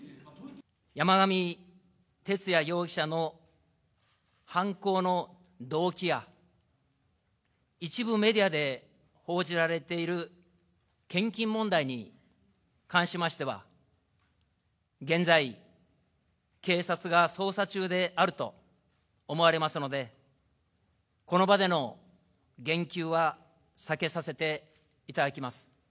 山上徹也容疑者の犯行の動機や、一部メディアで報じられている献金問題に関しましては、現在、警察が捜査中であると思われますので、この場での言及は避けさせていただきます。